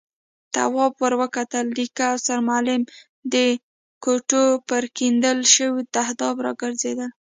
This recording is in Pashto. تواب ور وکتل، نيکه او سرمعلم د کوټو پر کېندل شوي تهداب راګرځېدل.